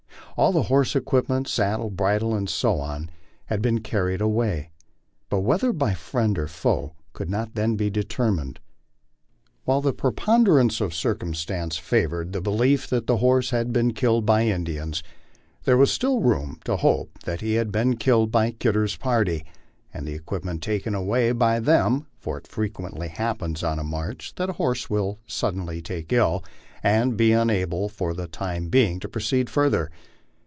All the horse equipments, saddle, bridle, etc., had been 70 MY LIFE ON THE PLAINS. carried away, but whether by friend or foe could not then be determined While the preponderance of circumstances favored the belief that the horse had been killed by Indians, there was still room to hope that he had been killed by Kidder's party and the equipments taken away by them ; for it fre quently happens on a march that a horse will be suddenly taken ill and be un able for the time being to proceed further.